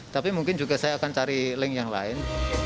tapi mungkin juga saya akan cari link yang lain